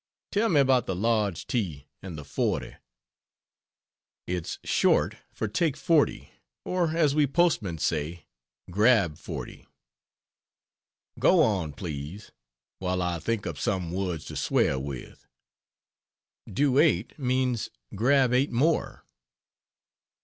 Tell me about the large T and the 40. "It's short for Take 40 or as we postmen say, grab 40" "Go on, please, while I think up some words to swear with." "Due 8 means, grab 8 more."